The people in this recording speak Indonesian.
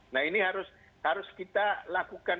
nah ini harus kita lakukan